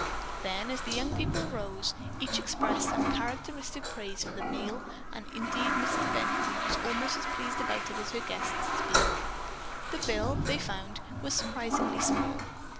Then, as the young people rose, they each expressed some characteristic praise for the meal and indeed Mrs. Bently was almost as pleased about it as her guests had been. The bill, they found, was surprisingly small.